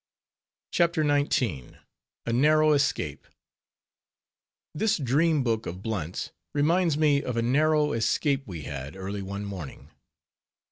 CHAPTER XIX. A NARROW ESCAPE This Dream Book of Blunt's reminds me of a narrow escape we had, early one morning.